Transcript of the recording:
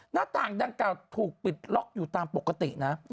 หน้าต่างดังกล่าถูกปิดล็อกอยู่ตามปกตินะ